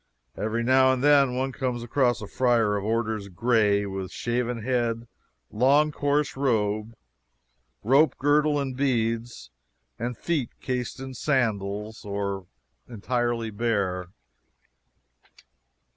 Every now and then one comes across a friar of orders gray, with shaven head, long, coarse robe, rope girdle and beads, and with feet cased in sandals or entirely bare.